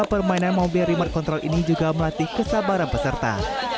permainan mobil remote control ini juga melatih kesabaran peserta